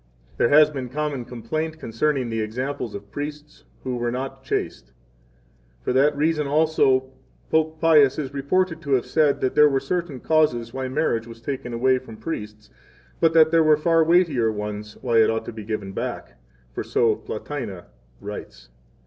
1 There has been common complaint concerning the examples of priests who were not chaste. 2 For that reason also Pope Pius is reported to have said that there were certain causes why marriage was taken away from priests, but that there were far weightier ones why it ought to be given back; for so Platina writes.